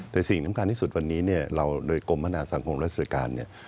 แต่สิ่งน้ำกาลที่สุดวันนี้เนี่ยเราโดยกลมพนาสังคมรัฐสริการเนี่ย